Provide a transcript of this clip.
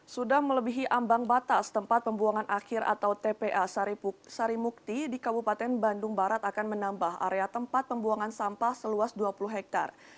sudah melebihi ambang batas tempat pembuangan akhir atau tpa sarimukti di kabupaten bandung barat akan menambah area tempat pembuangan sampah seluas dua puluh hektare